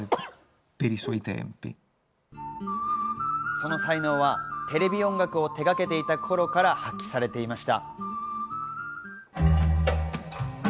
その才能はテレビ音楽を手がけていた頃から発揮されていました。